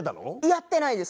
やってないです。